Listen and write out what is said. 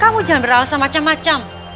kamu jangan beralasan macam macam